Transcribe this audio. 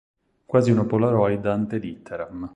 Quasi una polaroid ante litteram.